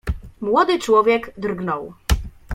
"Młody człowiek drgnął."